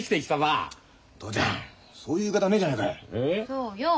そうよ。